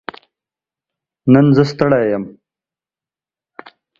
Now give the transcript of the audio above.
نن زه ستړې يم